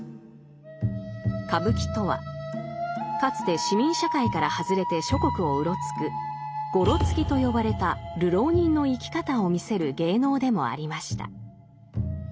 歌舞伎とはかつて市民社会から外れて諸国をうろつく「ごろつき」と呼ばれた流浪人の生き方を見せる芸能でもありました。